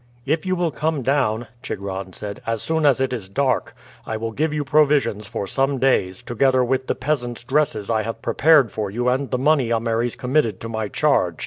"If you will come down," Chigron said, "as soon as it is dark, I will give you provisions for some days, together with the peasants' dresses I have prepared for you and the money Ameres committed to my charge.